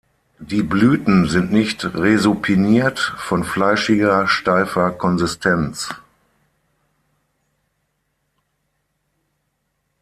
Die Blüten sind nicht resupiniert, von fleischiger, steifer Konsistenz.